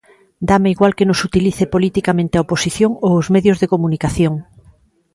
Dáme igual que nos utilice politicamente a oposición ou os medios de comunicación.